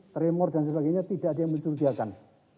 tremor dan sebagainya tidak ada yang mencurigakan